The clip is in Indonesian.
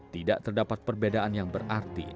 tidak terdapat perbedaan yang berarti